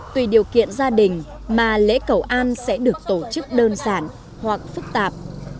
tùy điều kiện gia đình mà lễ cầu an sẽ được tổ chức đơn giản hoặc phức tạp